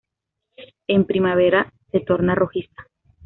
En primavera se torna rojiza.